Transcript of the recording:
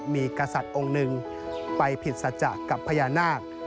มีกษัตริย์องค์หนึ่งไปผิดสัจจะกับพญานาค